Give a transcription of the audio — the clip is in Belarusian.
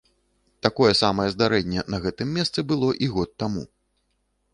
Такое самае здарэнне на гэтым месцы было і год таму.